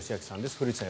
古内さん